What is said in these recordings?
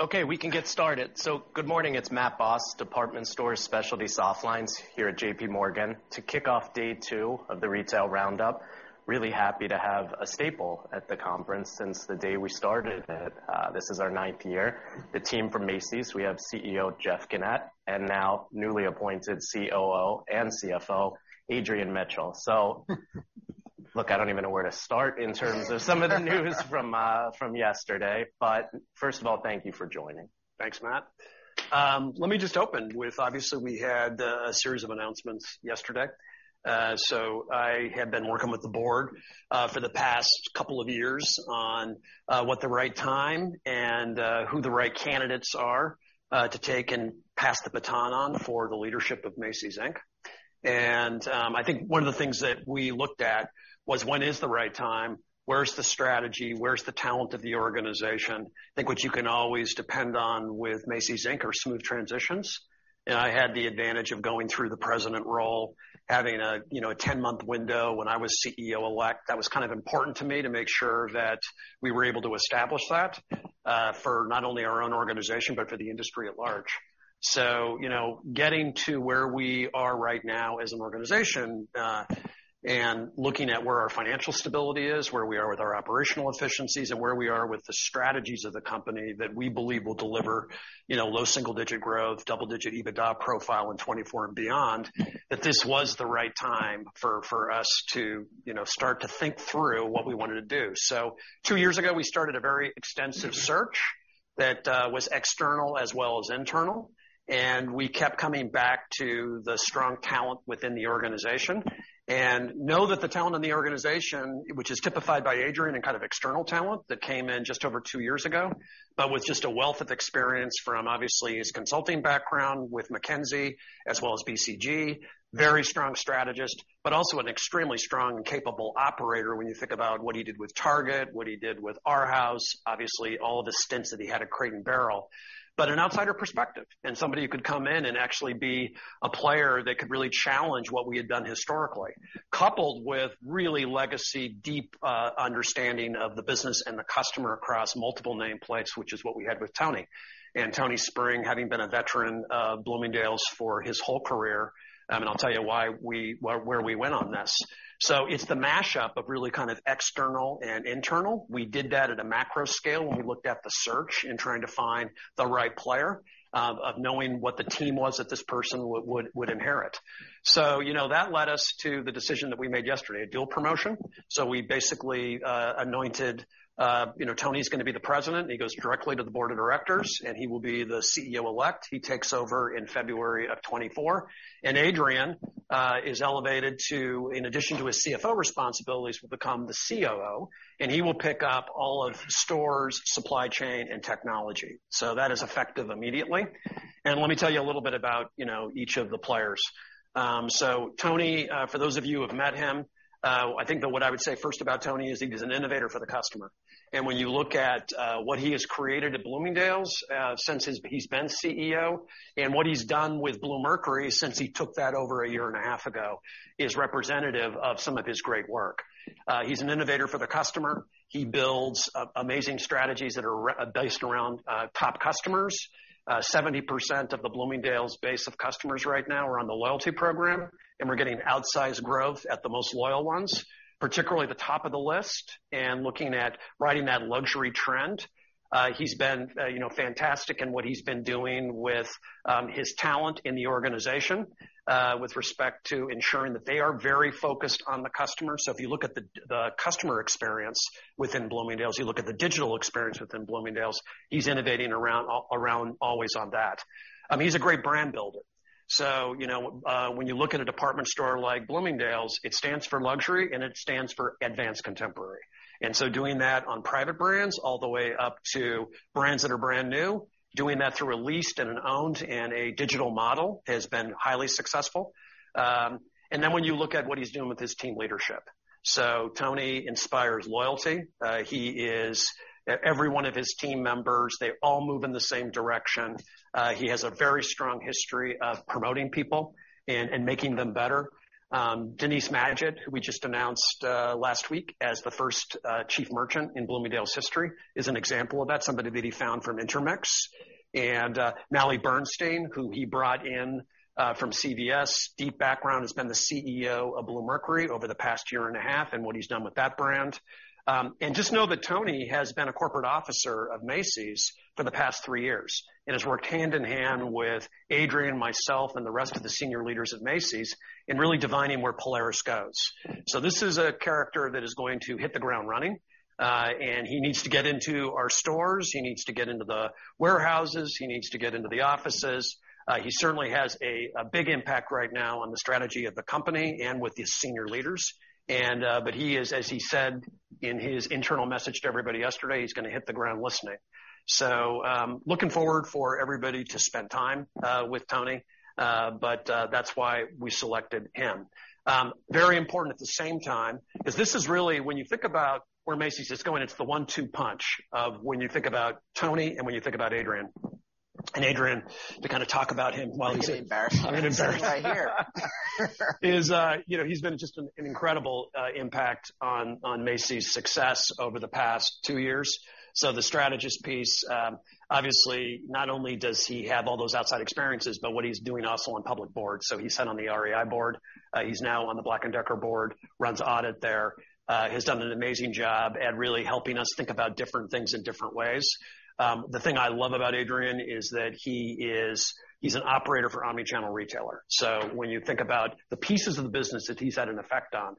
Okay, we can get started. Good morning, it's Matt Boss, department store specialty soft lines here at JPMorgan. To kick off day two of the retail roundup, really happy to have a staple at the conference since the day we started it. This is our ninth year. The team from Macy's. We have CEO Jeff Gennette, and now newly appointed COO and CFO, Adrian Mitchell. Look, I don't even know where to start in terms of some of the news from yesterday, but first of all, thank you for joining. Thanks, Matt. Let me just open with obviously we had a series of announcements yesterday. I have been working with the board for the past 2 years on what the right time and who the right candidates are to take and pass the baton on for the leadership of Macy's, Inc. I think 1 of the things that we looked at was when is the right time? Where's the strategy? Where's the talent of the organization? I think what you can always depend on with Macy's Inc. are smooth transitions. I had the advantage of going through the president role, having a, you know, a 10-month window when I was CEO-elect. That was kind of important to me to make sure that we were able to establish that for not only our own organization, but for the industry at large. You know, getting to where we are right now as an organization, and looking at where our financial stability is, where we are with our operational efficiencies, and where we are with the strategies of the company that we believe will deliver, you know, low single-digit growth, double-digit EBITDA profile in 2024 and beyond, that this was the right time for us to, you know, start to think through what we wanted to do. Two years ago, we started a very extensive search that was external as well as internal, and we kept coming back to the strong talent within the organization. Know that the talent in the organization, which is typified by Adrian and kind of external talent that came in just over two years ago, with just a wealth of experience from obviously his consulting background with McKinsey as well as BCG. Very strong strategist, but also an extremely strong and capable operator when you think about what he did with Target, what he did with Arhaus, obviously all the stints that he had at Crate & Barrel. An outsider perspective and somebody who could come in and actually be a player that could really challenge what we had done historically. Coupled with really legacy, deep understanding of the business and the customer across multiple name plates, which is what we had with Tony. Tony Spring, having been a veteran of Bloomingdale's for his whole career, I'll tell you where we went on this. It's the mashup of really kind of external and internal. We did that at a macro scale when we looked at the search and trying to find the right player, of knowing what the team was that this person would inherit. You know, that led us to the decision that we made yesterday, a dual promotion. We basically anointed, you know, Tony's gonna be the president, and he goes directly to the board of directors, and he will be the CEO-elect. He takes over in February of 2024. Adrian is elevated to, in addition to his CFO responsibilities, will become the COO, and he will pick up all of stores, supply chain and technology. That is effective immediately. Let me tell you a little bit about, you know, each of the players. Tony, for those of you who've met him, I think that what I would say first about Tony is he's an innovator for the customer. When you look at what he has created at Bloomingdale's, since he's been CEO, and what he's done with Bluemercury since he took that over a year and a half ago, is representative of some of his great work. He's an innovator for the customer. He builds amazing strategies that are based around top customers. 70% of the Bloomingdale's base of customers right now are on the loyalty program, and we're getting outsized growth at the most loyal ones, particularly the top of the list and looking at riding that luxury trend. He's been, you know, fantastic in what he's been doing with his talent in the organization, with respect to ensuring that they are very focused on the customer. If you look at the customer experience within Bloomingdale's, you look at the digital experience within Bloomingdale's, he's innovating around always on that. I mean, he's a great brand builder. You know, when you look at a department store like Bloomingdale's, it stands for luxury, and it stands for advanced contemporary. Doing that on private brands all the way up to brands that are brand new, doing that through a leased and an owned and a digital model has been highly successful. When you look at what he's doing with his team leadership. Tony inspires loyalty. Every one of his team members, they all move in the same direction. He has a very strong history of promoting people and making them better. Denise Magid, who we just announced last week as the first chief merchant in Bloomingdale's history, is an example of that, somebody that he found from Intermix. Maly Bernstein, who he brought in from CVS, deep background, has been the CEO of Bluemercury over the past 1.5 years and what he's done with that brand. Just know that Tony Spring has been a corporate officer of Macy's for the past three years and has worked hand in hand with Adrian Mitchell, myself, and the rest of the senior leaders at Macy's in really divining where Polaris goes. This is a character that is going to hit the ground running, and he needs to get into our stores. He needs to get into the warehouses. He needs to get into the offices. He certainly has a big impact right now on the strategy of the company and with his senior leaders. He is, as he said in his internal message to everybody yesterday, he's gonna hit the ground listening. Looking forward for everybody to spend time with Tony Spring, that's why we selected him. Very important at the same time, is this is really when you think about where Macy's is going, it's the one-two punch of when you think about Tony and when you think about Adrian. Adrian, to kind of talk about him while he's. I'm getting embarrassed. You're getting embarrassed. I'm sitting right here. You know, he's been just an incredible impact on Macy's success over the past two years. The strategist piece, obviously, not only does he have all those outside experiences, but what he's doing also on public boards. He sat on the REI board. He's now on the Black & Decker board, runs audit there. Has done an amazing job at really helping us think about different things in different ways. The thing I love about Adrian is that he's an operator for omnichannel retailer. When you think about the pieces of the business that he's had an effect on,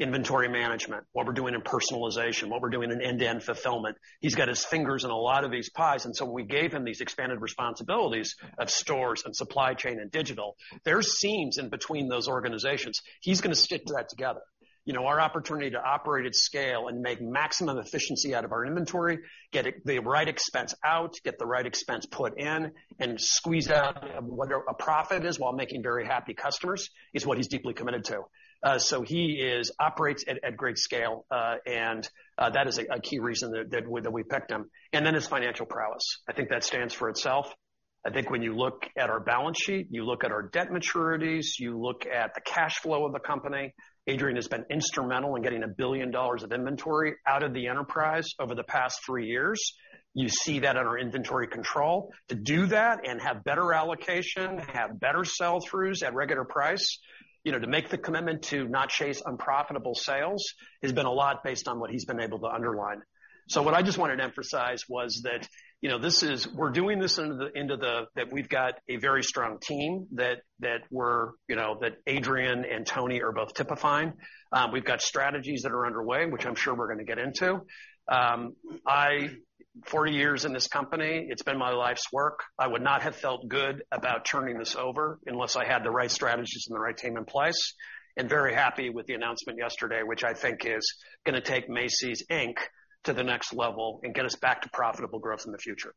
inventory management, what we're doing in personalization, what we're doing in end-to-end fulfillment. He's got his fingers in a lot of these pies. We gave him these expanded responsibilities of stores and supply chain and digital. There's seams in between those organizations. He's gonna stitch that together. You know, our opportunity to operate at scale and make maximum efficiency out of our inventory, the right expense out, get the right expense put in and squeeze out what a profit is while making very happy customers, is what he's deeply committed to. He operates at great scale, and that is a key reason that we picked him. His financial prowess. I think that stands for itself. I think when you look at our balance sheet, you look at our debt maturities, you look at the cash flow of the company, Adrian has been instrumental in getting $1 billion of inventory out of the enterprise over the past 3 years. You see that in our inventory control. To do that and have better allocation, have better sell-throughs at regular price, you know, to make the commitment to not chase unprofitable sales has been a lot based on what he's been able to underline. What I just wanted to emphasize was that, you know, we're doing this that we've got a very strong team that we're, you know, that Adrian and Tony are both typifying. We've got strategies that are underway, which I'm sure we're gonna get into. 40 years in this company, it's been my life's work. I would not have felt good about turning this over unless I had the right strategies and the right team in place, and very happy with the announcement yesterday, which I think is gonna take Macy's Inc. to the next level and get us back to profitable growth in the future.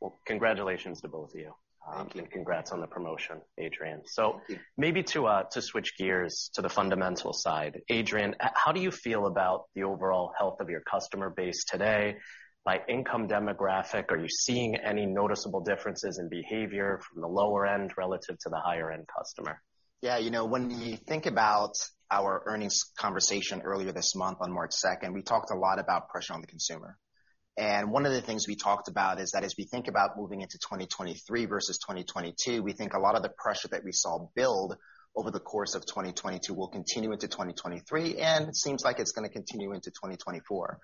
Well, congratulations to both of you. Thank you. Congrats on the promotion, Adrian. Thank you. Maybe to switch gears to the fundamental side. Adrian, how do you feel about the overall health of your customer base today by income demographic? Are you seeing any noticeable differences in behavior from the lower end relative to the higher end customer? Yeah, you know, when we think about our earnings conversation earlier this month on March second, we talked a lot about pressure on the consumer. One of the things we talked about is that as we think about moving into 2023 versus 2022, we think a lot of the pressure that we saw build over the course of 2022 will continue into 2023, and it seems like it's gonna continue into 2024.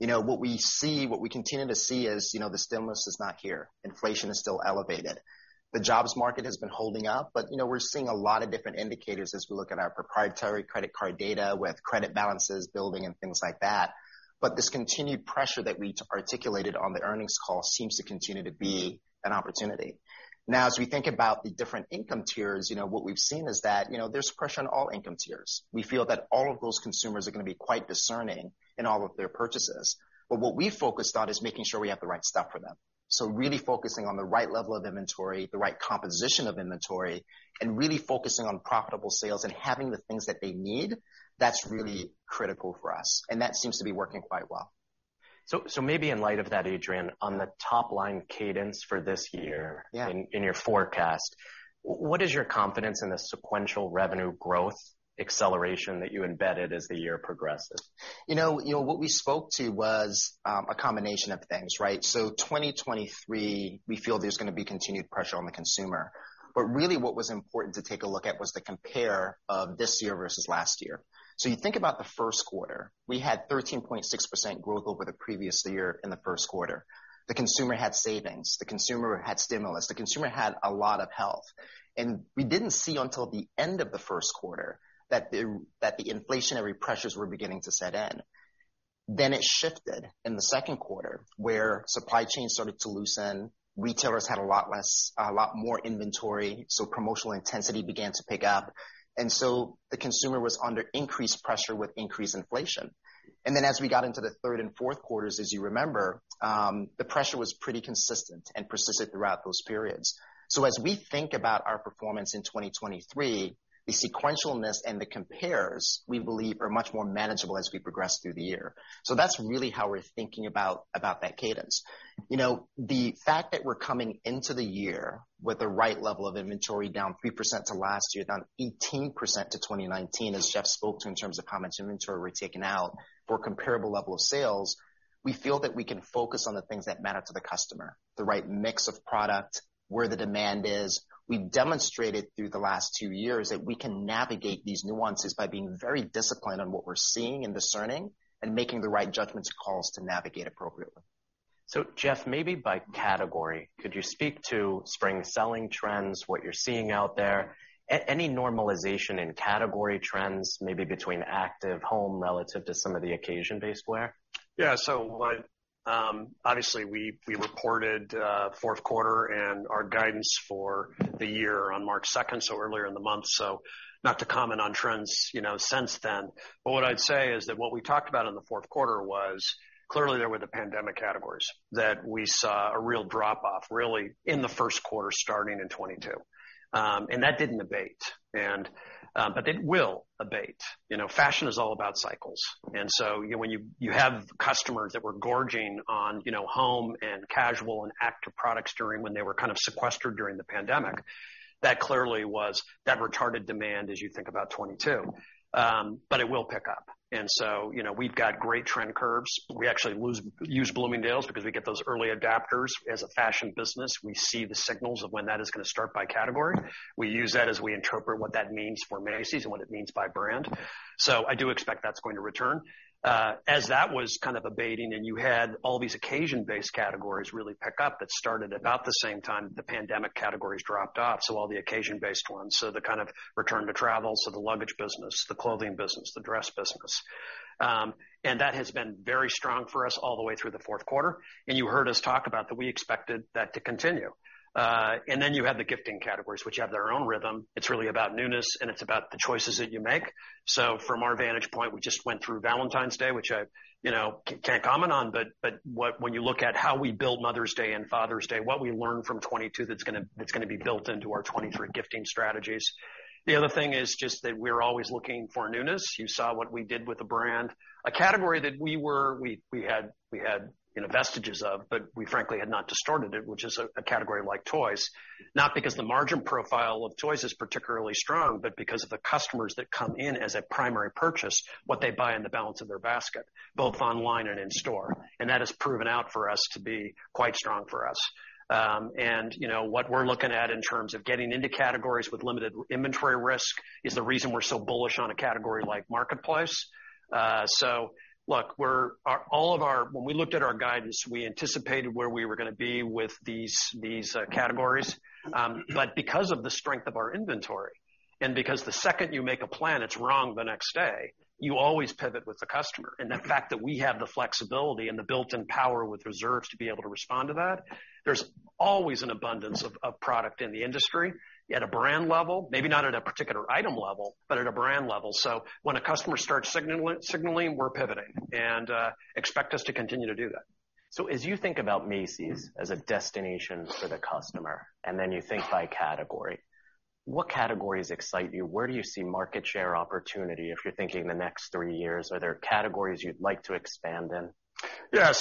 You know, what we see, what we continue to see is, you know, the stimulus is not here. Inflation is still elevated. The jobs market has been holding up, but, you know, we're seeing a lot of different indicators as we look at our proprietary credit card data with credit balances building and things like that. This continued pressure that we articulated on the earnings call seems to continue to be an opportunity. As we think about the different income tiers, you know, what we've seen is that, you know, there's pressure on all income tiers. We feel that all of those consumers are gonna be quite discerning in all of their purchases. What we focused on is making sure we have the right stuff for them. Really focusing on the right level of inventory, the right composition of inventory, and really focusing on profitable sales and having the things that they need, that's really critical for us, and that seems to be working quite well. Maybe in light of that, Adrian, on the top-line cadence for this year. Yeah. -in, in your forecast, what is your confidence in the sequential revenue growth acceleration that you embedded as the year progresses? You know, what we spoke to was a combination of things, right? 2023, we feel there's gonna be continued pressure on the consumer. Really what was important to take a look at was the compare of this year versus last year. You think about the first quarter, we had 13.6% growth over the previous year in the first quarter. The consumer had savings, the consumer had stimulus, the consumer had a lot of health. We didn't see until the end of the first quarter that the inflationary pressures were beginning to set in. It shifted in the second quarter, where supply chain started to loosen, retailers had a lot more inventory, so promotional intensity began to pick up. The consumer was under increased pressure with increased inflation. As we got into the third and fourth quarters, as you remember, the pressure was pretty consistent and persisted throughout those periods. As we think about our performance in 2023, the sequential-ness and the compares, we believe, are much more manageable as we progress through the year. That's really how we're thinking about that cadence. You know, the fact that we're coming into the year with the right level of inventory down 3% to last year, down 18% to 2019, as Jeff spoke to in terms of how much inventory we're taking out for a comparable level of sales, we feel that we can focus on the things that matter to the customer, the right mix of product, where the demand is. We demonstrated through the last two years that we can navigate these nuances by being very disciplined on what we're seeing and discerning and making the right judgments and calls to navigate appropriately. Jeff, maybe by category, could you speak to spring selling trends, what you're seeing out there? Any normalization in category trends, maybe between active home relative to some of the occasion-based wear? Obviously, we reported fourth quarter and our guidance for the year on March 2nd, so earlier in the month, so not to comment on trends, you know, since then. What I'd say is that what we talked about in the fourth quarter was clearly there were the pandemic categories that we saw a real drop-off really in the first quarter starting in 2022. That didn't abate. But it will abate. You know, fashion is all about cycles. So when you have customers that were gorging on, you know, home and casual and active products during when they were kind of sequestered during the pandemic, that clearly was that retarded demand as you think about 2022. But it will pick up. So, you know, we've got great trend curves. We actually use Bloomingdale's because we get those early adapters. As a fashion business, we see the signals of when that is gonna start by category. We use that as we interpret what that means for Macy's and what it means by brand. I do expect that's going to return. As that was kind of abating, and you had all these occasion-based categories really pick up that started about the same time the pandemic categories dropped off. All the occasion-based ones. The kind of return to travel, so the luggage business, the clothing business, the dress business. And that has been very strong for us all the way through the fourth quarter. You heard us talk about that we expected that to continue. Then you have the gifting categories, which have their own rhythm. It's really about newness, it's about the choices that you make. From our vantage point, we just went through Valentine's Day, which I, you know, can't comment on, but when you look at how we build Mother's Day and Father's Day, what we learn from 2022 that's gonna be built into our 2023 gifting strategies. The other thing is just that we're always looking for newness. You saw what we did with the brand. A category that we had, you know, vestiges of, but we frankly had not distorted it, which is a category like toys. Not because the margin profile of toys is particularly strong, but because of the customers that come in as a primary purchase, what they buy in the balance of their basket, both online and in store. That has proven out for us to be quite strong for us. you know, what we're looking at in terms of getting into categories with limited inventory risk is the reason we're so bullish on a category like Marketplace. look, when we looked at our guidance, we anticipated where we were gonna be with these categories. because of the strength of our inventory, and because the second you make a plan, it's wrong the next day, you always pivot with the customer. The fact that we have the flexibility and the built-in power with reserves to be able to respond to that, there's always an abundance of product in the industry at a brand level, maybe not at a particular item level, but at a brand level. When a customer starts signaling, we're pivoting, and expect us to continue to do that. As you think about Macy's as a destination for the customer, and then you think by category, what categories excite you? Where do you see market share opportunity if you're thinking the next three years? Are there categories you'd like to expand in? Yeah.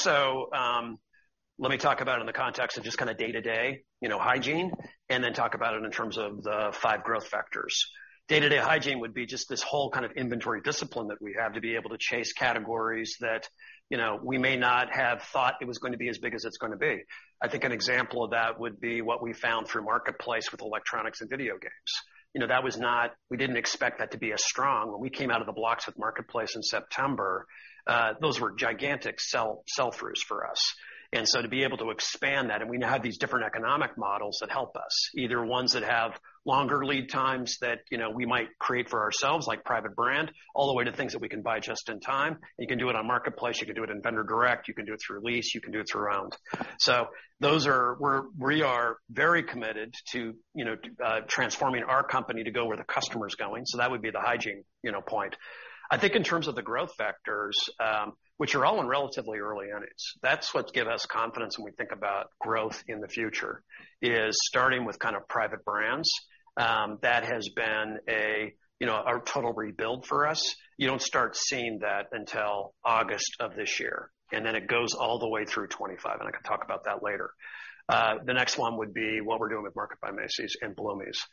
Let me talk about in the context of just kinda day-to-day, you know, hygiene, and then talk about it in terms of the five growth factors. Day-to-day hygiene would be just this whole kind of inventory discipline that we have to be able to chase categories that, you know, we may not have thought it was going to be as big as it's gonna be. I think an example of that would be what we found through Marketplace with electronics and video games. You know, we didn't expect that to be as strong. When we came out of the blocks with Marketplace in September, those were gigantic sell-throughs for us. To be able to expand that, and we now have these different economic models that help us, either ones that have longer lead times that, you know, we might create for ourselves, like private brand, all the way to things that we can buy just in time. You can do it on Marketplace, you can do it in Vendor Direct, you can do it through Lease, you can do it through owned. Those are where we are very committed to, you know, transforming our company to go where the customer is going. That would be the hygiene, you know, point. I think in terms of the growth factors, which are all in relatively early innings, that's what give us confidence when we think about growth in the future, is starting with kind of private brands. That has been a, you know, a total rebuild for us. You don't start seeing that until August of this year, and then it goes all the way through 25, and I can talk about that later. The next one would be what we're doing with Market by Macy's and Bloomie's.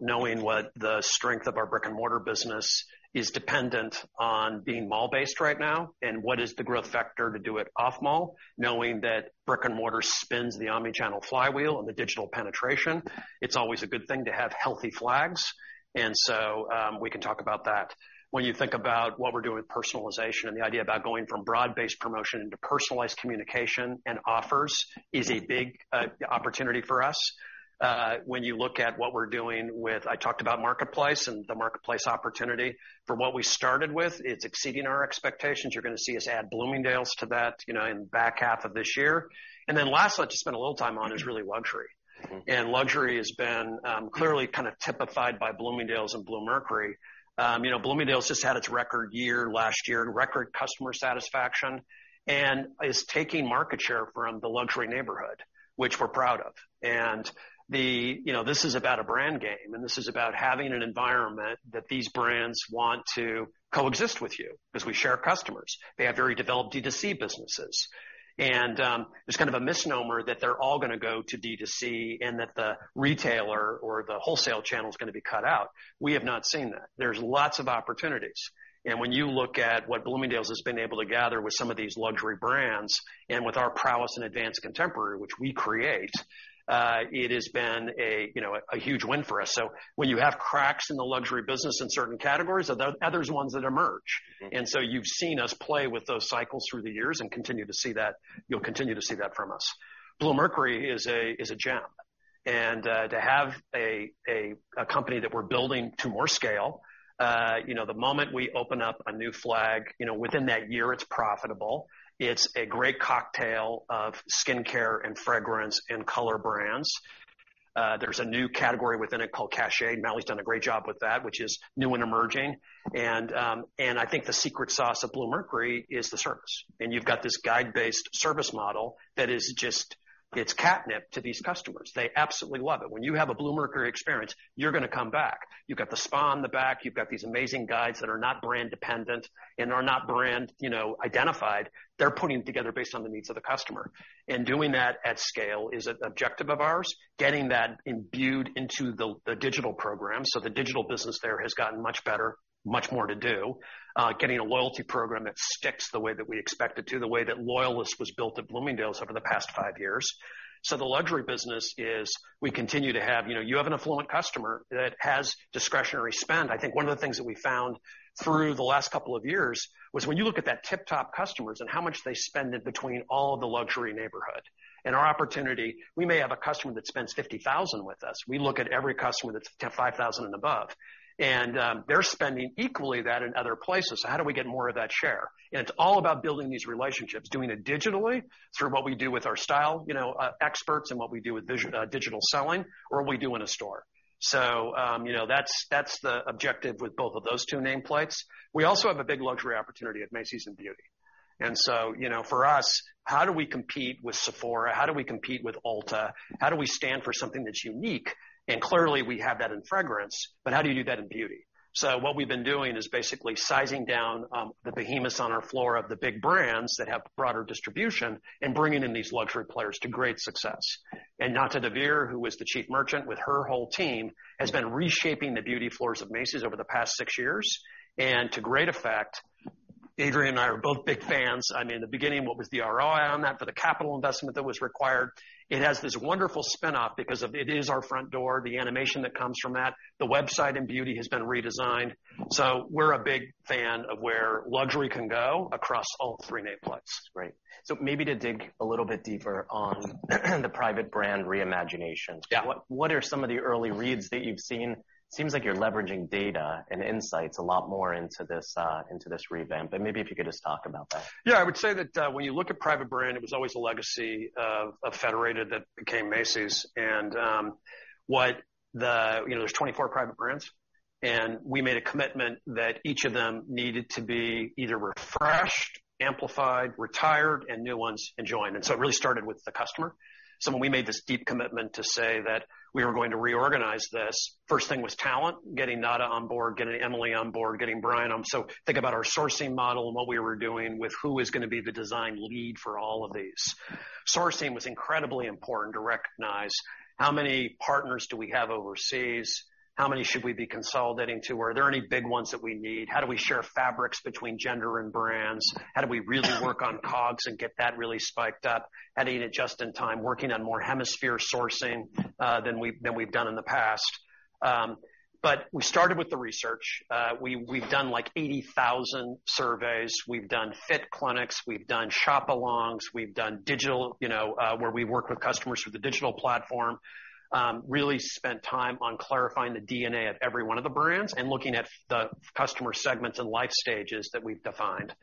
Knowing what the strength of our brick-and-mortar business is dependent on being mall-based right now, and what is the growth factor to do it off mall, knowing that brick-and-mortar spins the omnichannel flywheel and the digital penetration. It's always a good thing to have healthy flags. We can talk about that. When you think about what we're doing with personalization and the idea about going from broad-based promotion into personalized communication and offers is a big opportunity for us. When you look at what we're doing with I talked about Marketplace and the Marketplace opportunity. From what we started with, it's exceeding our expectations. You're gonna see us add Bloomingdale's to that, you know, in back half of this year. Lastly, I'll just spend a little time on, is really luxury. Mm-hmm. Luxury has been clearly typified by Bloomingdale's and Bluemercury. You know, Bloomingdale's just had its record year last year, record customer satisfaction, and is taking market share from the luxury neighborhood, which we're proud of. You know, this is about a brand game, and this is about having an environment that these brands want to coexist with you because we share customers. They have very developed D2C businesses. It's kind of a misnomer that they're all gonna go to D2C and that the retailer or the wholesale channel is gonna be cut out. We have not seen that. There's lots of opportunities. When you look at what Bloomingdale's has been able to gather with some of these luxury brands and with our prowess in advanced contemporary, which we create, it has been a, you know, a huge win for us. When you have cracks in the luxury business in certain categories, others ones that emerge. Mm-hmm. You've seen us play with those cycles through the years and you'll continue to see that from us. Bluemercury is a gem. To have a company that we're building to more scale, you know, the moment we open up a new flag, you know, within that year, it's profitable. It's a great cocktail of skincare and fragrance and color brands. There's a new category within it called Cachet. Mallory's done a great job with that, which is new and emerging. I think the secret sauce of Bluemercury is the service. You've got this guide-based service model that is just, it's catnip to these customers. They absolutely love it. When you have a Bluemercury experience, you're gonna come back. You've got the spa in the back, you've got these amazing guides that are not brand dependent and are not brand, you know, identified. They're putting it together based on the needs of the customer. Doing that at scale is an objective of ours, getting that imbued into the digital program. The digital business there has gotten much better, much more to do. Getting a loyalty program that sticks the way that we expect it to, the way that Loyallist was built at Bloomingdale's over the past five years. The luxury business is we continue to have. You know, you have an affluent customer that has discretionary spend. I think one of the things that we found through the last couple of years was when you look at that tip top customers and how much they spend between all of the luxury neighborhood. Our opportunity, we may have a customer that spends $50,000 with us. We look at every customer that's $5,000 and above. They're spending equally that in other places. How do we get more of that share? It's all about building these relationships, doing it digitally through what we do with our style, you know, experts and what we do with digital selling or we do in a store. you know, that's the objective with both of those two nameplates. We also have a big luxury opportunity at Macy's in beauty. you know, for us, how do we compete with Sephora? How do we compete with Ulta? How do we stand for something that's unique? Clearly, we have that in fragrance, but how do you do that in beauty? What we've been doing is basically sizing down the behemoths on our floor of the big brands that have broader distribution and bringing in these luxury players to great success. Nata Dvir, who was the chief merchant with her whole team, has been reshaping the beauty floors of Macy's over the past 6 years, to great effect. Adrian and I are both big fans. I mean, in the beginning, what was the ROI on that for the capital investment that was required? It has this wonderful spin-off because of it is our front door, the animation that comes from that. The website and beauty has been redesigned. We're a big fan of where luxury can go across all three nameplates. Great. Maybe to dig a little bit deeper on the private brand reimagination. Yeah. What are some of the early reads that you've seen? Seems like you're leveraging data and insights a lot more into this, into this revamp. Maybe if you could just talk about that. I would say that when you look at private brand, it was always a legacy of Federated that became Macy's. You know, there's 24 private brands, and we made a commitment that each of them needed to be either refreshed, amplified, retired, and new ones enjoined. It really started with the customer. When we made this deep commitment to say that we were going to reorganize this, first thing was talent, getting Nada on board, getting Emily on board, getting Brian on. Think about our sourcing model and what we were doing with who is gonna be the design lead for all of these. Sourcing was incredibly important to recognize how many partners do we have overseas? How many should we be consolidating to? Are there any big ones that we need? How do we share fabrics between gender and brands? How do we really work on cogs and get that really spiked up, adding it just in time, working on more hemisphere sourcing than we've done in the past. We started with the research. We've done, like, 80,000 surveys. We've done fit clinics. We've done shop-alongs. We've done digital, you know, where we work with customers through the digital platform. Really spent time on clarifying the DNA of every one of the brands and looking at the customer segments and life stages that we've defined.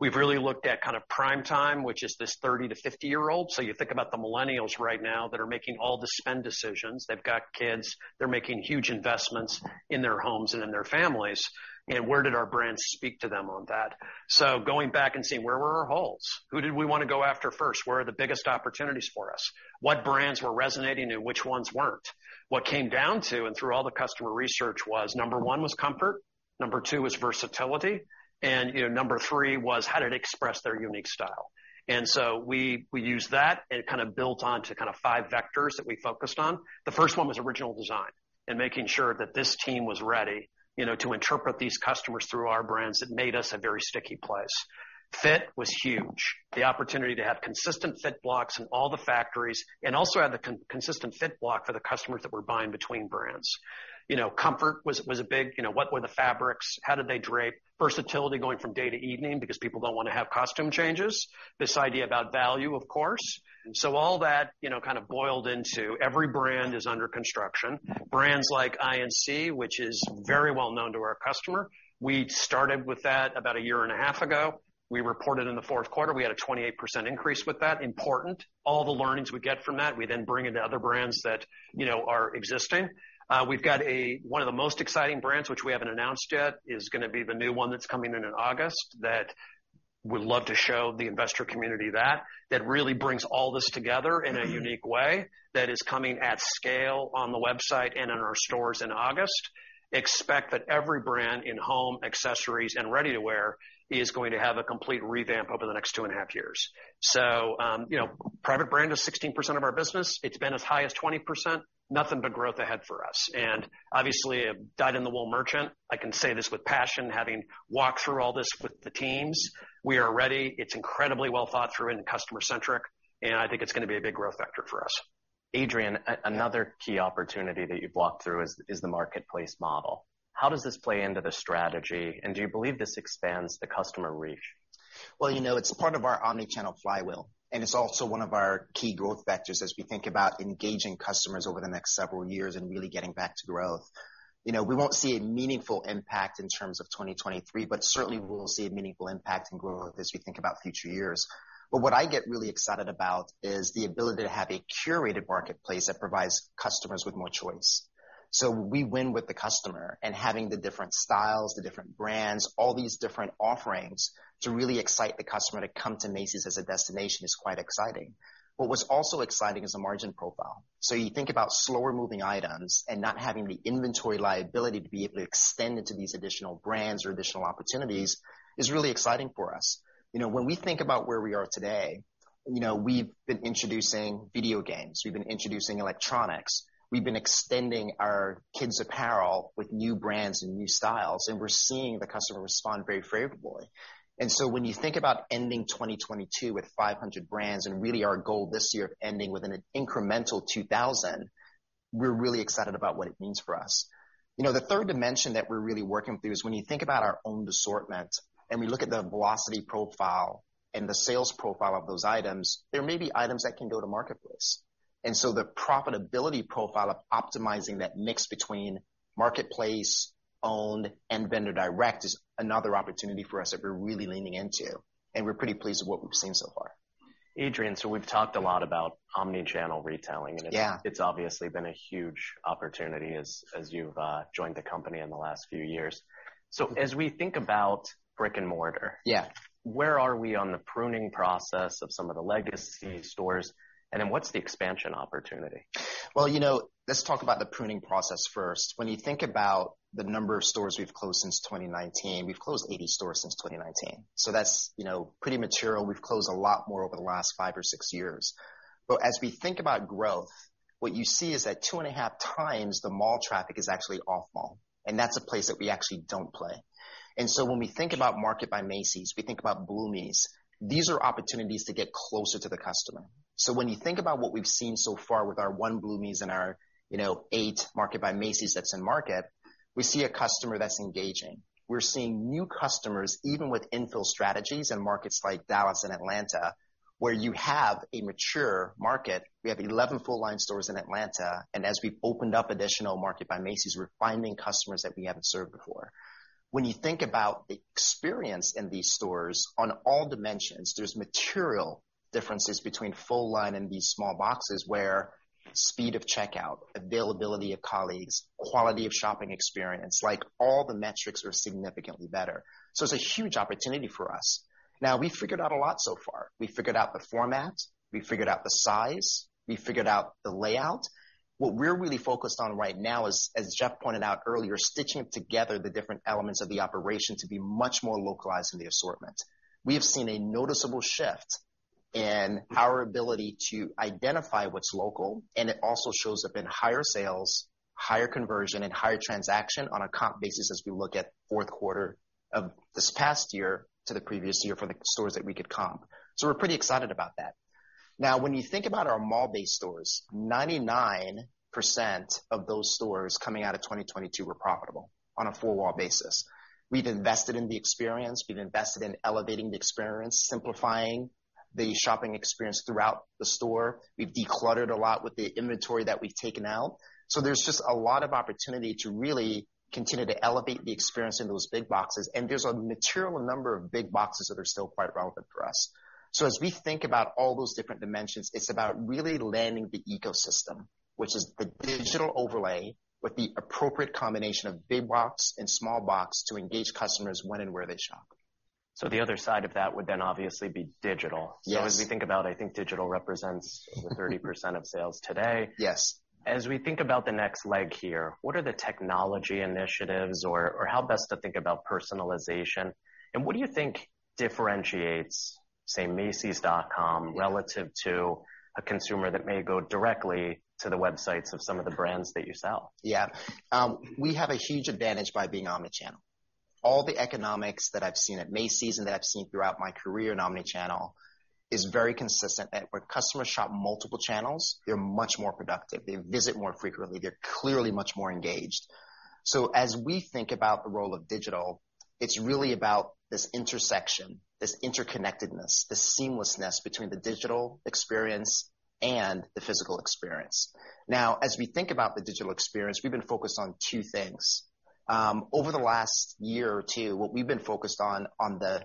We've really looked at kind of prime time, which is this 30-50-year-old. You think about the millennials right now that are making all the spend decisions. They've got kids. They're making huge investments in their homes and in their families. Where did our brands speak to them on that? Going back and seeing where were our holes, who did we wanna go after first? Where are the biggest opportunities for us? What brands were resonating and which ones weren't? What came down to and through all the customer research was, Number 1 was comfort, Number 2 was versatility, and, you know, Number 3 was how did it express their unique style. We used that and kind of built on to kind of five vectors that we focused on. The first one was original design and making sure that this team was ready, you know, to interpret these customers through our brands that made us a very sticky place. Fit was huge. The opportunity to have consistent fit blocks in all the factories and also have the consistent fit block for the customers that were buying between brands. You know, comfort was a big, you know, what were the fabrics? How did they drape? Versatility going from day to evening because people don't wanna have costume changes. This idea about value, of course. All that, you know, kind of boiled into every brand is under construction. Brands like I.N.C., which is very well known to our customer. We started with that about a year and a half ago. We reported in the fourth quarter, we had a 28% increase with that. Important. All the learnings we get from that, we then bring into other brands that, you know, are existing. We've got one of the most exciting brands, which we haven't announced yet, is gonna be the new one that's coming in in August, that we'd love to show the investor community that really brings all this together in a unique way, that is coming at scale on the website and in our stores in August. Expect that every brand in home, accessories, and ready-to-wear is going to have a complete revamp over the next two and a half years. You know, private brand is 16% of our business. It's been as high as 20%. Nothing but growth ahead for us. Obviously, a dyed-in-the-wool merchant, I can say this with passion, having walked through all this with the teams, we are ready. It's incredibly well thought through and customer-centric, and I think it's gonna be a big growth factor for us. Adrian, another key opportunity that you've walked through is the Marketplace model. How does this play into the strategy, and do you believe this expands the customer reach? You know, it's part of our omnichannel flywheel, and it's also one of our key growth vectors as we think about engaging customers over the next several years and really getting back to growth. You know, we won't see a meaningful impact in terms of 2023, but certainly we will see a meaningful impact in growth as we think about future years. What I get really excited about is the ability to have a curated Marketplace that provides customers with more choice. We win with the customer and having the different styles, the different brands, all these different offerings to really excite the customer to come to Macy's as a destination is quite exciting. What's also exciting is the margin profile. You think about slower-moving items and not having the inventory liability to be able to extend into these additional brands or additional opportunities is really exciting for us. You know, when we think about where we are today, you know, we've been introducing video games, we've been introducing electronics, we've been extending our kids apparel with new brands and new styles, and we're seeing the customer respond very favorably. When you think about ending 2022 with 500 brands and really our goal this year of ending with an incremental 2,000, we're really excited about what it means for us. You know, the third dimension that we're really working through is when you think about our own assortment and we look at the velocity profile and the sales profile of those items, there may be items that can go to Marketplace. The profitability profile of optimizing that mix between Marketplace, owned, and Vendor Direct is another opportunity for us that we're really leaning into, and we're pretty pleased with what we've seen so far. Adrian, we've talked a lot about omnichannel retailing. Yeah. It's obviously been a huge opportunity as you've joined the company in the last few years. As we think about. Yeah. Where are we on the pruning process of some of the legacy stores, and then what's the expansion opportunity? Well, you know, let's talk about the pruning process first. When you think about the number of stores we've closed since 2019, we've closed 80 stores since 2019, so that's, you know, pretty material. We've closed a lot more over the last 5 or 6 years. As we think about growth, what you see is that two and a half times the mall traffic is actually off mall, and that's a place that we actually don't play. When we think about Market by Macy's, we think about Bloomie's, these are opportunities to get closer to the customer. When you think about what we've seen so far with our 1 Bloomie's and our, you know, 8 Market by Macy's that's in market, we see a customer that's engaging. We're seeing new customers, even with infill strategies in markets like Dallas and Atlanta, where you have a mature market. We have 11 full line stores in Atlanta, and as we've opened up additional Market by Macy's, we're finding customers that we haven't served before. When you think about the experience in these stores on all dimensions, there's material differences between full line and these small boxes where speed of checkout, availability of colleagues, quality of shopping experience, like all the metrics are significantly better. It's a huge opportunity for us. We've figured out a lot so far. We figured out the format, we figured out the size, we figured out the layout. What we're really focused on right now is, as Jeff pointed out earlier, stitching together the different elements of the operation to be much more localized in the assortment. We have seen a noticeable shift in our ability to identify what's local, and it also shows up in higher sales, higher conversion, and higher transaction on a comp basis as we look at fourth quarter of this past year to the previous year for the stores that we could comp. We're pretty excited about that. Now, when you think about our mall-based stores, 99% of those stores coming out of 2022 were profitable on a full wall basis. We've invested in the experience. We've invested in elevating the experience, simplifying the shopping experience throughout the store. We've decluttered a lot with the inventory that we've taken out. There's just a lot of opportunity to really continue to elevate the experience in those big boxes, and there's a material number of big boxes that are still quite relevant for us. As we think about all those different dimensions, it's about really landing the ecosystem, which is the digital overlay with the appropriate combination of big box and small box to engage customers when and where they shop. The other side of that would then obviously be digital. Yes. As we think about, I think digital represents over 30% of sales today. Yes. We think about the next legs here, what are the technology initiatives or how best to think about personalization, and what do you think differentiates, say, macys.com relative to a consumer that may go directly to the websites of some of the brands that you sell? Yeah. We have a huge advantage by being omnichannel. All the economics that I've seen at Macy's and that I've seen throughout my career in omnichannel is very consistent that when customers shop multiple channels, they're much more productive. They visit more frequently. They're clearly much more engaged. As we think about the role of digital, it's really about this intersection, this interconnectedness, this seamlessness between the digital experience and the physical experience. Now, as we think about the digital experience, we've been focused on two things. Over the last year or two, what we've been focused on the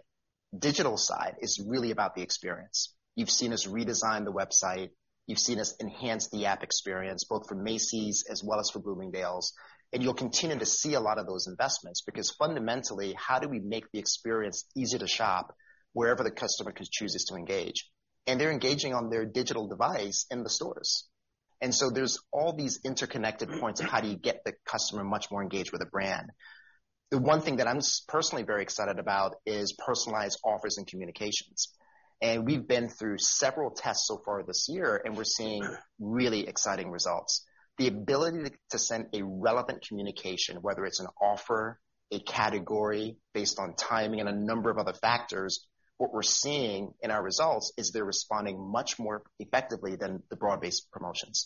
digital side is really about the experience. You've seen us redesign the website. You've seen us enhance the app experience, both for Macy's as well as for Bloomingdale's. You'll continue to see a lot of those investments because fundamentally, how do we make the experience easy to shop wherever the customer chooses to engage? They're engaging on their digital device in the stores. There's all these interconnected points of how do you get the customer much more engaged with a brand. The one thing that I'm personally very excited about is personalized offers and communications. We've been through several tests so far this year, and we're seeing really exciting results. The ability to send a relevant communication, whether it's an offer-A category based on timing and a number of other factors. What we're seeing in our results is they're responding much more effectively than the broad-based promotions.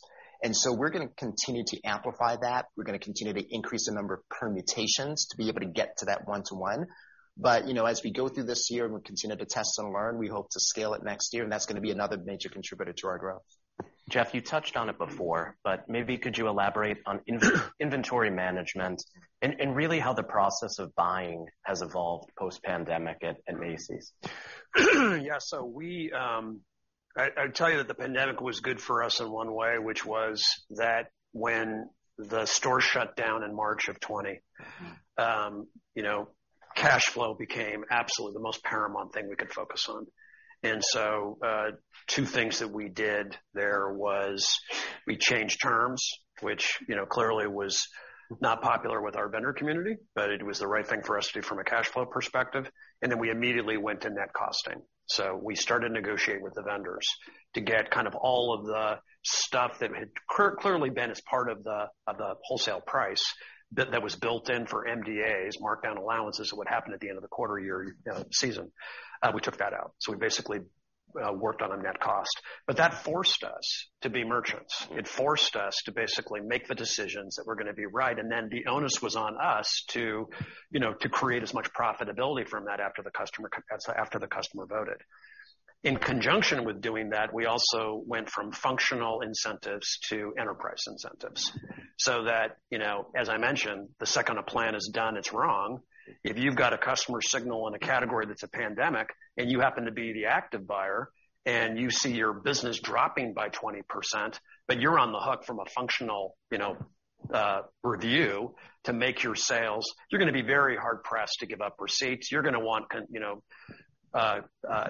We're gonna continue to amplify that. We're gonna continue to increase the number of permutations to be able to get to that one-to-one. You know, as we go through this year and we continue to test and learn, we hope to scale it next year. That's gonna be another major contributor to our growth. Jeff, you touched on it before, but maybe could you elaborate on inventory management and really how the process of buying has evolved post-pandemic at Macy's? Yeah. We, I'd tell you that the pandemic was good for us in one way, which was that when the stores shut down in March of 2020… Mm-hmm. you know, cash flow became absolutely the most paramount thing we could focus on. Two things that we did there was we changed terms, which, you know, clearly was not popular with our vendor community, but it was the right thing for us to do from a cash flow perspective. We immediately went to net costing. We started negotiating with the vendors to get kind of all of the stuff that had clearly been as part of the, of the wholesale price that was built in for MDAs, markdown allowances, what happened at the end of the quarter year, you know, season. We took that out. We basically worked on a net cost. That forced us to be merchants. It forced us to basically make the decisions that were gonna be right, then the onus was on us to, you know, to create as much profitability from that after the customer voted. In conjunction with doing that, we also went from functional incentives to enterprise incentives. That, you know, as I mentioned, the second a plan is done, it's wrong. If you've got a customer signal in a category that's a pandemic and you happen to be the active buyer and you see your business dropping by 20%, but you're on the hook from a functional, you know, review to make your sales, you're gonna be very hard pressed to give up receipts. You're gonna want, you know,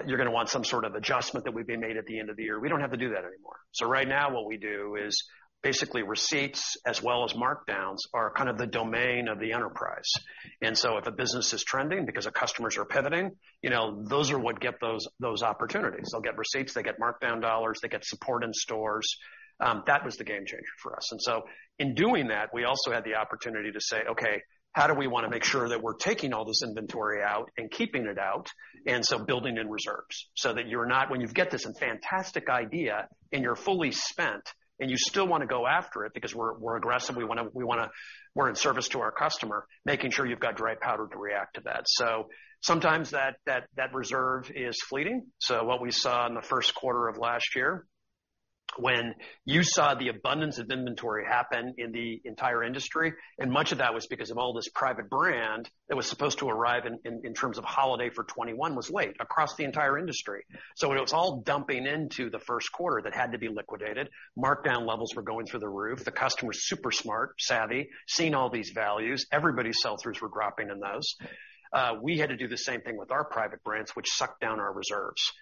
you're gonna want some sort of adjustment that would be made at the end of the year. We don't have to do that anymore. Right now what we do is basically receipts as well as markdowns are kind of the domain of the enterprise. If a business is trending because our customers are pivoting, you know, those are what get those opportunities. They'll get receipts, they get markdown dollars, they get support in stores. That was the game changer for us. In doing that, we also had the opportunity to say, "Okay, how do we wanna make sure that we're taking all this inventory out and keeping it out?" Building in reserves so that when you get this fantastic idea and you're fully spent and you still wanna go after it because we're aggressive, we're in service to our customer, making sure you've got dry powder to react to that. Sometimes that reserve is fleeting. What we saw in the first quarter of last year when you saw the abundance of inventory happen in the entire industry, and much of that was because of all this private brand that was supposed to arrive in terms of holiday for 2021 was late across the entire industry. It was all dumping into the first quarter that had to be liquidated. Markdown levels were going through the roof. The customer's super smart, savvy, seeing all these values. Everybody's sell-throughs were dropping in those. We had to do the same thing with our private brands, which sucked down our reserves.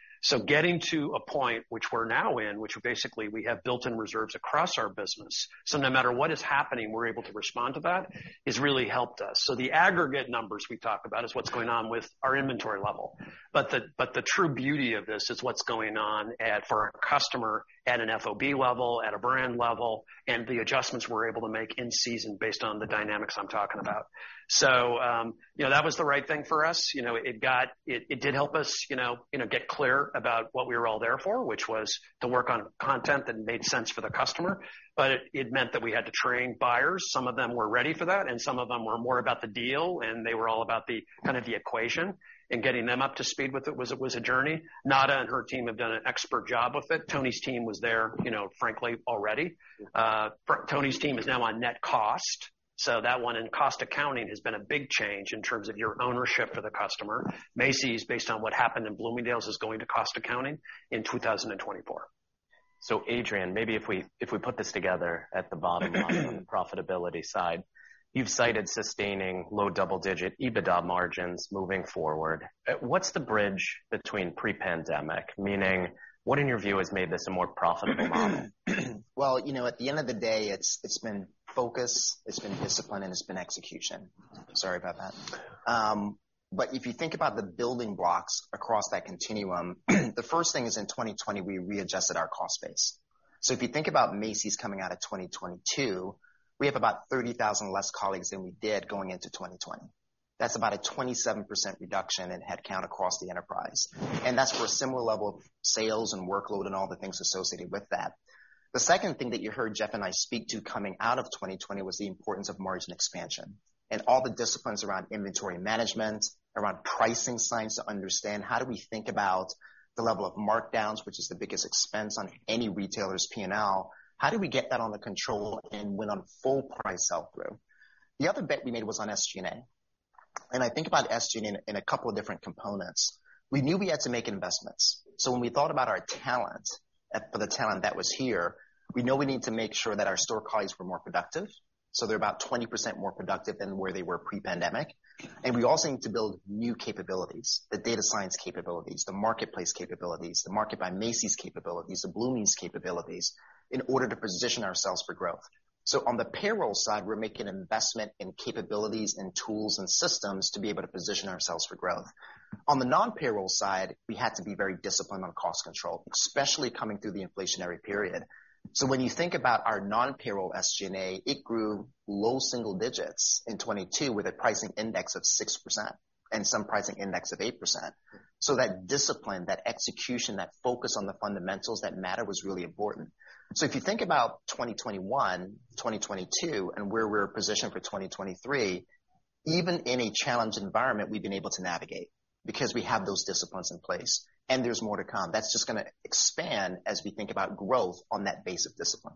Getting to a point which we're now in, which basically we have built in reserves across our business, so no matter what is happening, we're able to respond to that, has really helped us. The aggregate numbers we talk about is what's going on with our inventory level. The true beauty of this is what's going on for our customer at an FOB level, at a brand level, and the adjustments we're able to make in season based on the dynamics I'm talking about. You know, that was the right thing for us. You know, it did help us, you know, get clear about what we were all there for, which was to work on content that made sense for the customer. It meant that we had to train buyers. Some of them were ready for that, and some of them were more about the deal, and they were all about the, kind of the equation. Getting them up to speed with it was a journey. Nada and her team have done an expert job with it. Tony's team was there, you know, frankly, already. Tony's team is now on net cost. That one, and cost accounting has been a big change in terms of your ownership for the customer. Macy's, based on what happened, and Bloomingdale's is going to cost accounting in 2024. Adrian, maybe if we put this together at the bottom line on the profitability side, you've cited sustaining low double-digit EBITDA margins moving forward. What's the bridge between pre-pandemic? Meaning, what in your view has made this a more profitable model? You know, at the end of the day, it's been focus, it's been discipline, and it's been execution. Sorry about that. If you think about the building blocks across that continuum, the first thing is in 2020 we readjusted our cost base. If you think about Macy's coming out of 2022, we have about 30,000 less colleagues than we did going into 2020. That's about a 27% reduction in headcount across the enterprise. That's for a similar level of sales and workload and all the things associated with that. The second thing that you heard Jeff and I speak to coming out of 2020 was the importance of margin expansion and all the disciplines around inventory management, around pricing science to understand how do we think about the level of markdowns, which is the biggest expense on any retailer's P&L. How do we get that under control and win on full price sell through? The other bet we made was on SG&A. I think about SG&A in a couple of different components. We knew we had to make investments. When we thought about our talent, the talent that was here, we know we need to make sure that our store colleagues were more productive, so they're about 20% more productive than where they were pre-pandemic. We also need to build new capabilities, the data science capabilities, the Marketplace capabilities, the Market by Macy's capabilities, the Bloomie's capabilities, in order to position ourselves for growth. On the payroll side, we're making investment in capabilities and tools and systems to be able to position ourselves for growth. On the non-payroll side, we had to be very disciplined on cost control, especially coming through the inflationary period. When you think about our non-payroll SG&A, it grew low single digits in 2022 with a pricing index of 6%. Some pricing index of 8%. That discipline, that execution, that focus on the fundamentals that matter was really important. If you think about 2021, 2022 and where we're positioned for 2023, even in a challenged environment, we've been able to navigate because we have those disciplines in place and there's more to come. That's just gonna expand as we think about growth on that base of discipline.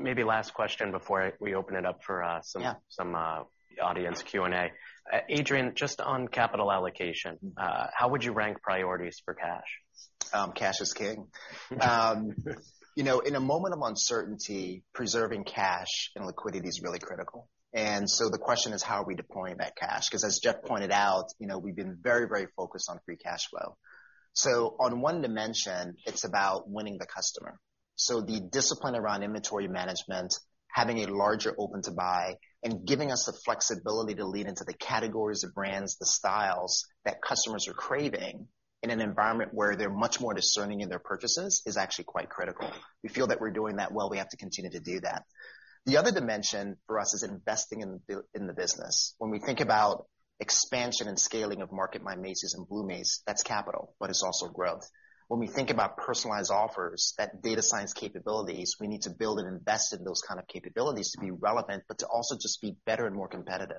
Maybe last question before we open it up for. Yeah... some audience Q&A. Adrian, just on capital allocation, how would you rank priorities for cash? Cash is king. You know, in a moment of uncertainty, preserving cash and liquidity is really critical. The question is, how are we deploying that cash? Because as Jeff pointed out, you know, we've been very, very focused on free cash flow. On one dimension, it's about winning the customer. The discipline around inventory management, having a larger open to buy and giving us the flexibility to lean into the categories of brands, the styles that customers are craving in an environment where they're much more discerning in their purchases, is actually quite critical. We feel that we're doing that well. We have to continue to do that. The other dimension for us is investing in the business. When we think about expansion and scaling of Market by Macy's and Bluemercury, that's capital, but it's also growth. When we think about personalized offers, that data science capabilities, we need to build and invest in those kind of capabilities to be relevant, but to also just be better and more competitive.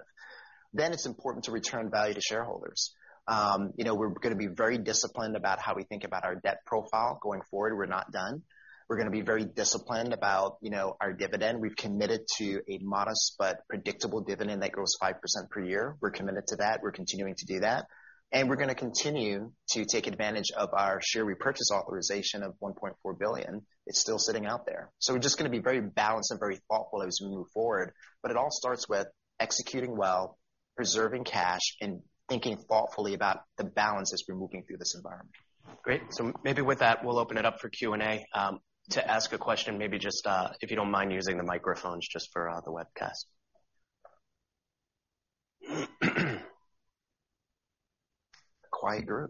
It's important to return value to shareholders. You know, we're gonna be very disciplined about how we think about our debt profile going forward. We're not done. We're gonna be very disciplined about, you know, our dividend. We've committed to a modest but predictable dividend that grows 5% per year. We're committed to that. We're continuing to do that, and we're gonna continue to take advantage of our share repurchase authorization of $1.4 billion. It's still sitting out there. We're just gonna be very balanced and very thoughtful as we move forward. It all starts with executing well, preserving cash, and thinking thoughtfully about the balance as we're moving through this environment. Great. Maybe with that, we'll open it up for Q&A. To ask a question, maybe just, if you don't mind using the microphones just for the webcast. Quiet group.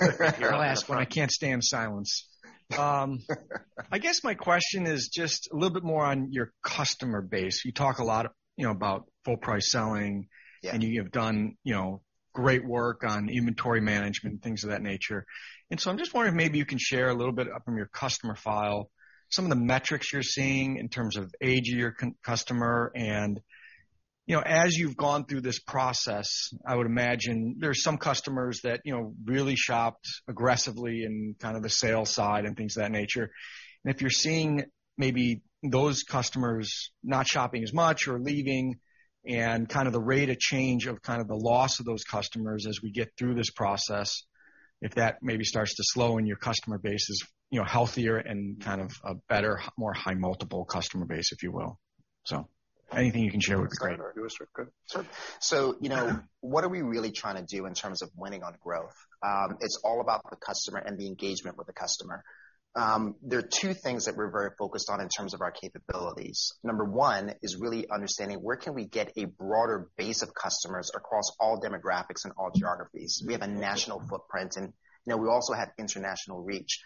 I'll ask one. I can't stand silence. I guess my question is just a little bit more on your customer base. You talk a lot, you know, about full price selling. Yeah ... and you have done, you know, great work on inventory management and things of that nature. I'm just wondering if maybe you can share a little bit from your customer file some of the metrics you're seeing in terms of age of your customer and, you know, as you've gone through this process, I would imagine there are some customers that, you know, really shopped aggressively in kind of the sales side and things of that nature. If you're seeing maybe those customers not shopping as much or leaving and kind of the rate of change of kind of the loss of those customers as we get through this process, if that maybe starts to slow and your customer base is, you know, healthier and kind of a better, more high multiple customer base, if you will. Anything you can share would be great. Sure. You know, what are we really trying to do in terms of winning on growth? It's all about the customer and the engagement with the customer. There are two things that we're very focused on in terms of our capabilities. Number 1 is really understanding where can we get a broader base of customers across all demographics and all geographies. We have a national footprint and, you know, we also have international reach.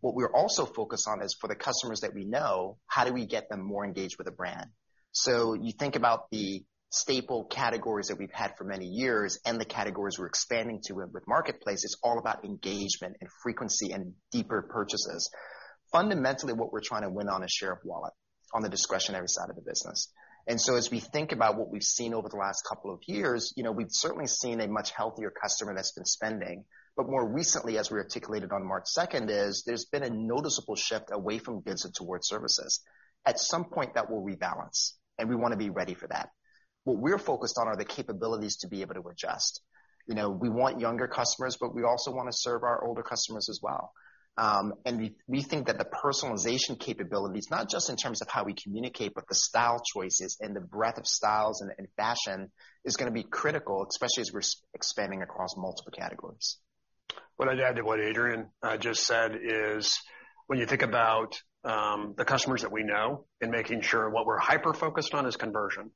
What we're also focused on is for the customers that we know, how do we get them more engaged with the brand? You think about the staple categories that we've had for many years and the categories we're expanding to with Marketplace, it's all about engagement and frequency and deeper purchases. Fundamentally, what we're trying to win on is share of wallet on the discretionary side of the business. As we think about what we've seen over the last couple of years, you know, we've certainly seen a much healthier customer that's been spending. More recently, as we articulated on March 2nd, there's been a noticeable shift away from goods and towards services. At some point, that will rebalance, and we wanna be ready for that. What we're focused on are the capabilities to be able to adjust. You know, we want younger customers, but we also wanna serve our older customers as well. We think that the personalization capabilities, not just in terms of how we communicate, but the style choices and the breadth of styles and fashion is gonna be critical, especially as we're expanding across multiple categories. What I'd add to what Adrian just said is when you think about the customers that we know and making sure what we're hyper-focused on is conversion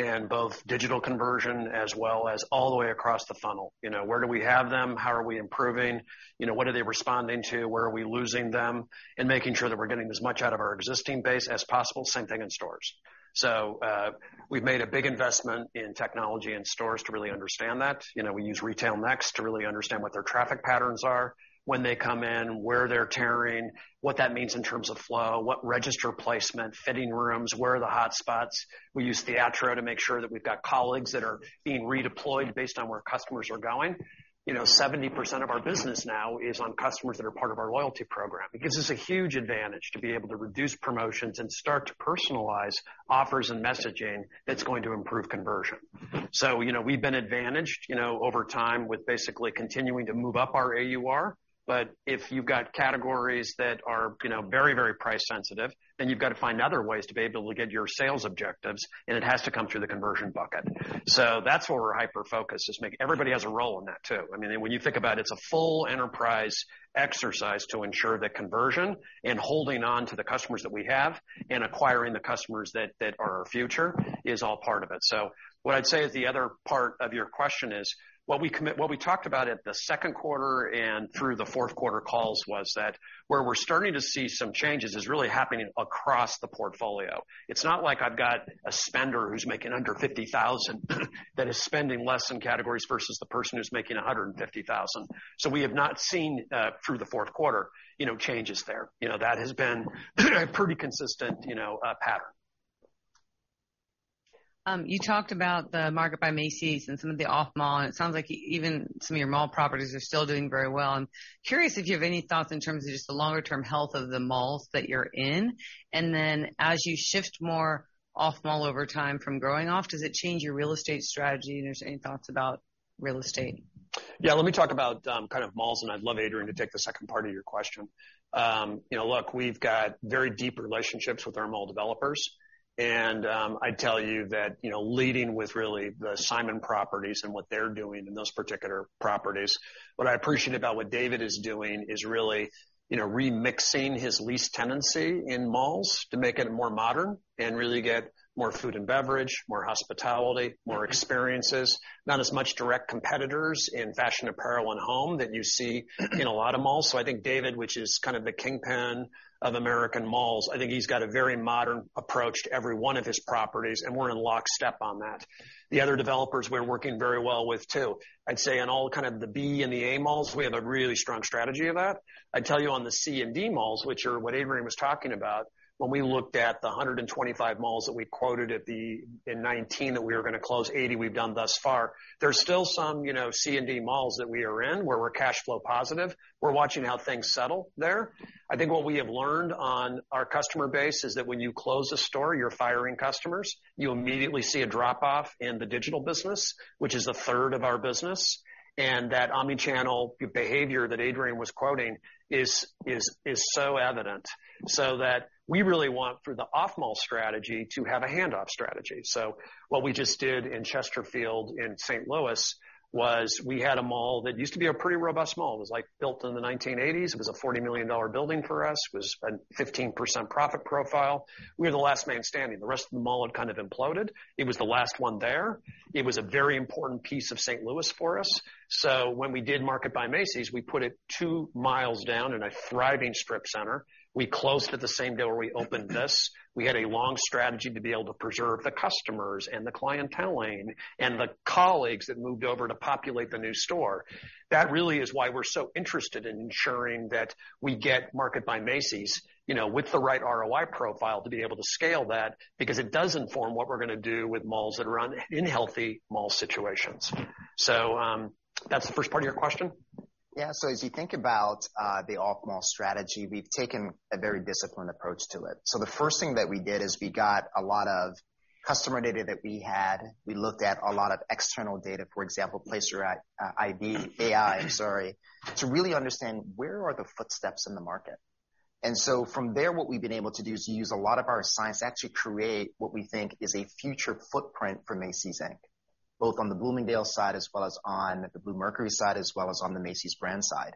and both digital conversion as well as all the way across the funnel. You know, where do we have them? How are we improving? You know, what are they responding to? Where are we losing them? Making sure that we're getting as much out of our existing base as possible. Same thing in stores. We've made a big investment in technology in stores to really understand that. You know, we use RetailNext to really understand what their traffic patterns are, when they come in, where they're tarrying, what that means in terms of flow, what register placement, fitting rooms, where are the hotspots. We use Theatro to make sure that we've got colleagues that are being redeployed based on where customers are going. You know, 70% of our business now is on customers that are part of our loyalty program. It gives us a huge advantage to be able to reduce promotions and start to personalize offers and messaging that's going to improve conversion. You know, we've been advantaged, you know, over time with basically continuing to move up our AUR. If you've got categories that are, you know, very, very price sensitive, then you've got to find other ways to be able to get your sales objectives, and it has to come through the conversion bucket. That's where we're hyper-focused. Everybody has a role in that too. I mean, when you think about it's a full enterprise exercise to ensure the conversion and holding on to the customers that we have and acquiring the customers that are our future is all part of it. What I'd say is the other part of your question is, what we talked about at the second quarter and through the fourth quarter calls was that where we're starting to see some changes is really happening across the portfolio.It's not like I've got a spender who's making under $50,000 that is spending less in categories versus the person who's making $150,000. We have not seen through the fourth quarter, you know, changes there. You know, that has been a pretty consistent, you know, pattern. You talked about the Market by Macy's and some of the off mall, it sounds like even some of your mall properties are still doing very well. I'm curious if you have any thoughts in terms of just the longer term health of the malls that you're in. Then as you shift more off mall over time from growing off, does it change your real estate strategy? There's any thoughts about real estate? Yeah. Let me talk about, kind of malls, and I'd love Adrian to take the second part of your question. You know, look, we've got very deep relationships with our mall developers, and, I'd tell you that, you know, leading with really the Simon Properties and what they're doing in those particular properties, what I appreciate about what David is doing is really, you know, remixing his lease tenancy in malls to make it more modern and really get more food and beverage, more hospitality, more experiences, not as much direct competitors in fashion, apparel, and home that you see in a lot of malls. I think David, which is kind of the kingpin of American malls, I think he's got a very modern approach to every one of his properties, and we're in lockstep on that. The other developers we're working very well with too. I'd say on all kind of the B and the A malls, we have a really strong strategy of that. I'd tell you on the C and D malls, which are what Adrian was talking about, when we looked at the 125 malls that we quoted at in 2019 that we were gonna close, 80 we've done thus far. There's still some, you know, C and D malls that we are in where we're cash flow positive. We're watching how things settle there. I think what we have learned on our customer base is that when you close a store, you're firing customers. You immediately see a drop off in the digital business, which is a 1/3 of our business. That omni-channel behavior that Adrian was quoting is so evident, so that we really want for the off mall strategy to have a handoff strategy. What we just did in Chesterfield in St. Louis was we had a mall that used to be a pretty robust mall. It was, like, built in the 1980s. It was a $40 million building for us. It was a 15% profit profile. We were the last man standing. The rest of the mall had kind of imploded. It was the last one there. It was a very important piece of St. Louis for us. When we did Market by Macy's, we put it 2 miles down in a thriving strip center. We closed it the same day where we opened this. We had a long strategy to be able to preserve the customers and the clientele lane and the colleagues that moved over to populate the new store. That really is why we're so interested in ensuring that we get Market by Macy's, you know, with the right ROI profile to be able to scale that because it does inform what we're gonna do with malls that are on unhealthy mall situations. That's the first part of your question. Yeah. As you think about the off mall strategy, we've taken a very disciplined approach to it. The first thing that we did is we got a lot of customer data that we had. We looked at a lot of external data, for example, Placer.ai, to really understand where are the footsteps in the market. From there, what we've been able to do is use a lot of our science to actually create what we think is a future footprint for Macy's, Inc., both on the Bloomingdale's side as well as on the Bluemercury side, as well as on the Macy's brand side.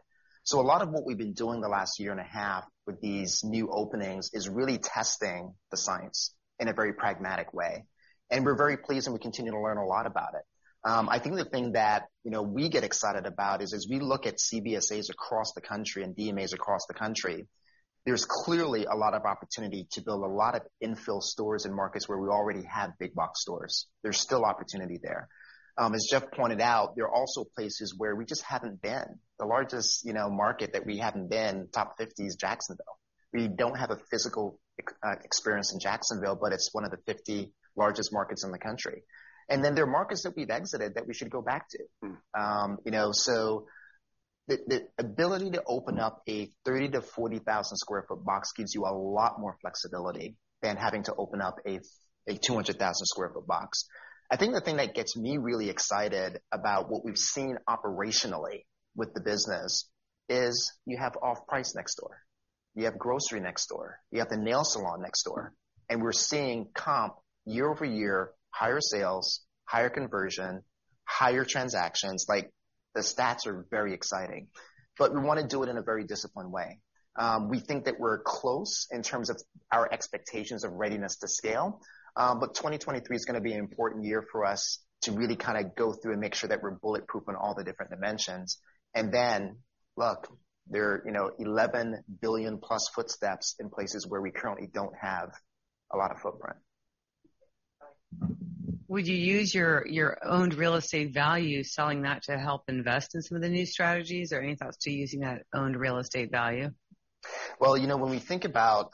A lot of what we've been doing the last year and a half with these new openings is really testing the science in a very pragmatic way, and we're very pleased, and we continue to learn a lot about it. I think the thing that, you know, we get excited about is as we look at CBSAs across the country and DMAs across the country, there's clearly a lot of opportunity to build a lot of infill stores in markets where we already have big box stores. There's still opportunity there. As Jeff pointed out, there are also places where we just haven't been. The largest, you know, market that we haven't been, top 50, is Jacksonville. We don't have a physical experience in Jacksonville, but it's one of the 50 largest markets in the country. There are markets that we've exited that we should go back to. You know, the ability to open up a 30,000-40,000 sq ft box gives you a lot more flexibility than having to open up a 200,000 sq ft box. I think the thing that gets me really excited about what we've seen operationally with the business is you have off-price next door. You have grocery next door. You have the nail salon next door, we're seeing comp year-over-year, higher sales, higher conversion, higher transactions. Like, the stats are very exciting, we wanna do it in a very disciplined way. We think that we're close in terms of our expectations of readiness to scale. 2023 is gonna be an important year for us to really kinda go through and make sure that we're bulletproof on all the different dimensions. Look, there are, you know, 11 billion-plus footsteps in places where we currently don't have a lot of footprint. Would you use your owned real estate value, selling that to help invest in some of the new strategies, or any thoughts to using that owned real estate value? Well, you know, when we think about,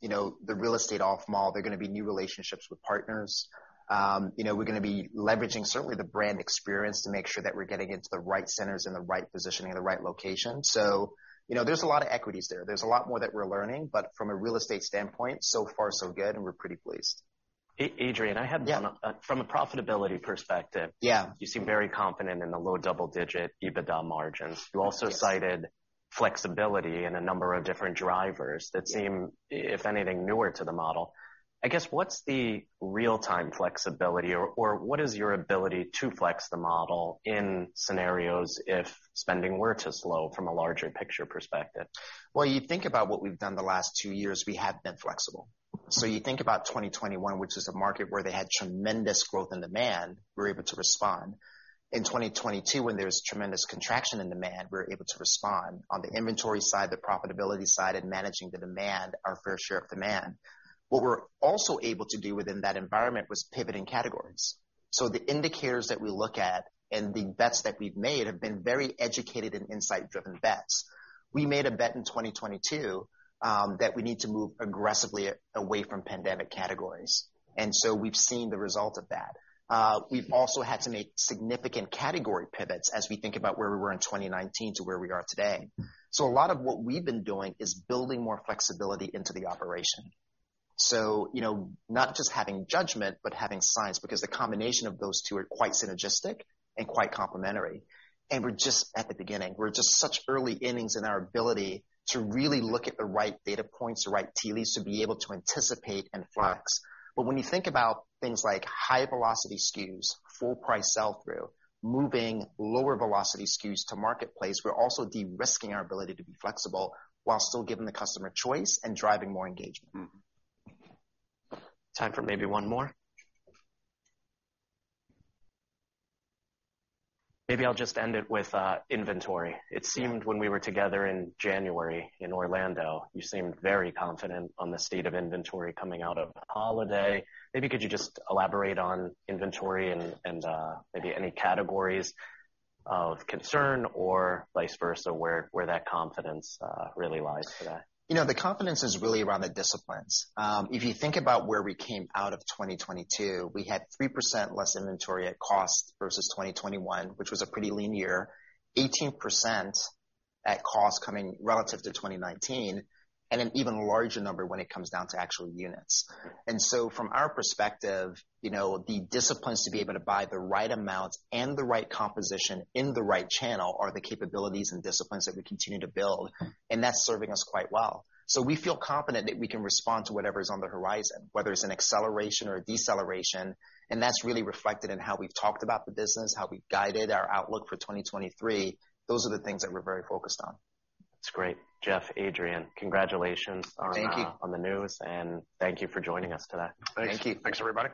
you know, the real estate off mall, they're gonna be new relationships with partners. You know, we're gonna be leveraging certainly the brand experience to make sure that we're getting into the right centers and the right positioning and the right location. You know, there's a lot of equities there. There's a lot more that we're learning. From a real estate standpoint, so far so good, and we're pretty pleased. Adrian, I had. Yeah. From a profitability perspective. Yeah. You seem very confident in the low double digit EBITDA margins. Yes. You also cited flexibility in a number of different drivers that seem, if anything, newer to the model. I guess, what's the real-time flexibility or what is your ability to flex the model in scenarios if spending were to slow from a larger picture perspective? You think about what we've done the last 2 years, we have been flexible. You think about 2021, which is a market where they had tremendous growth and demand, we were able to respond. In 2022, when there was tremendous contraction in demand, we were able to respond on the inventory side, the profitability side, and managing the demand, our fair share of demand. What we're also able to do within that environment was pivot in categories. So the indicators that we look at and the bets that we've made have been very educated and insight-driven bets. We made a bet in 2022 that we need to move aggressively away from pandemic categories. We've seen the result of that. We've also had to make significant category pivots as we think about where we were in 2019 to where we are today. A lot of what we've been doing is building more flexibility into the operation. You know, not just having judgment, but having science, because the combination of those two are quite synergistic and quite complementary. We're just at the beginning. We're just such early innings in our ability to really look at the right data points, the right tea leaves, to be able to anticipate and flex. When you think about things like high velocity SKUs, full price sell-through, moving lower velocity SKUs to Marketplace, we're also de-risking our ability to be flexible while still giving the customer choice and driving more engagement. Time for maybe one more. Maybe I'll just end it with inventory. It seemed when we were together in January in Orlando, you seemed very confident on the state of inventory coming out of holiday. Maybe could you just elaborate on inventory and maybe any categories of concern or vice versa, where that confidence really lies today? You know, the confidence is really around the disciplines. If you think about where we came out of 2022, we had 3% less inventory at cost versus 2021, which was a pretty lean year. 18% at cost coming relative to 2019, and an even larger number when it comes down to actual units. From our perspective, you know, the disciplines to be able to buy the right amounts and the right composition in the right channel are the capabilities and disciplines that we continue to build, and that's serving us quite well. We feel confident that we can respond to whatever's on the horizon, whether it's an acceleration or a deceleration. That's really reflected in how we've talked about the business, how we guided our outlook for 2023. Those are the things that we're very focused on. That's great. Jeff, Adrian, congratulations on. Thank you. on the news, and thank you for joining us today. Thank you. Thanks, everybody.